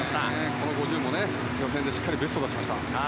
この５０ｍも予選でしっかりベストを出しました。